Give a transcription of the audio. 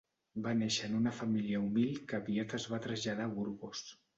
Va néixer en una família humil que aviat es va traslladar a Burgos.